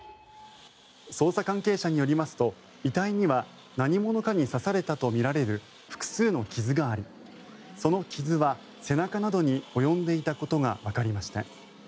捜査関係者によりますと遺体には何者かに刺されたとみられる複数の傷がありその傷は背中などに及んでいたことがわかりました。